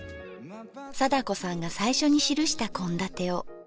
貞子さんが最初に記した献立を。